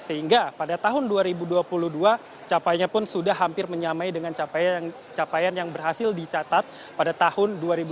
sehingga pada tahun dua ribu dua puluh dua capaiannya pun sudah hampir menyamai dengan capaian yang berhasil dicatat pada tahun dua ribu dua puluh